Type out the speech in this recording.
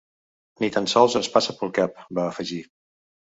Ni tan sols ens passa pel cap –va afegir–.